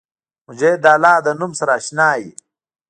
مجاهد د الله د نوم سره اشنا وي.